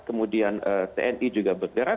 kemudian tni juga bergerak